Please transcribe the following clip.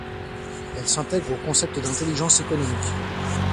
Elle s'intègre au concept d'intelligence économique.